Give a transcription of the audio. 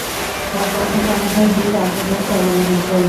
বর্তমানে সংগঠনটির কার্যক্রম চলমান আছে।